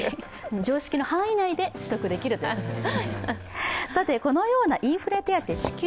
常識の範囲内で取得できるということです。